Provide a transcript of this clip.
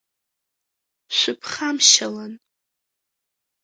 Шәԥхамшьалан.